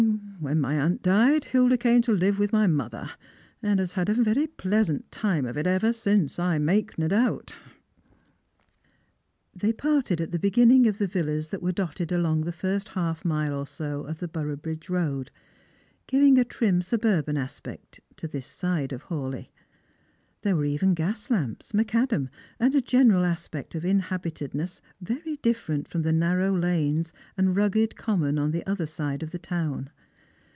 When my aunt died, Hilda came to live with my mother, and has had a very pleasant time of it ever since, I make no doubt." They parted at the beginning of the villas that were dotted along the first half mile or so of the Boroughbridge road, giving a trim suburban aspect to^this side of Hawleigh. There were even gas lamps, macadam,' and a general aspect of inhabited ness very difierent from the narrow lanes and rugged common on the other side of the town.